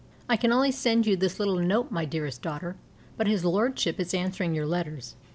_ I can only send you this little note, my dearest daughter, but his Lordship is answering your letters.